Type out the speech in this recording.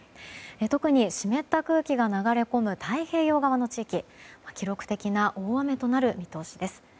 特に湿った空気が流れ込む太平洋側の地域記録的な大雨となる見通しです。